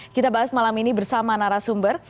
kita bahas malam ini bersama narasumber